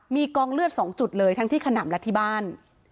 มีกองเลือด๒จุดเลยทั้งที่ขนำและที่บ้าน